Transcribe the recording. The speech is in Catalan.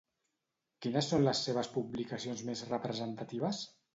Quines són les seves publicacions més representatives?